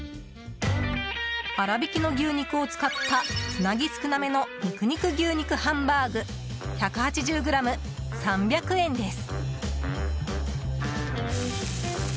粗びきの牛肉を使ったつなぎ少なめの２９２９牛肉ハンバーグ１８０ｇ、３００円です。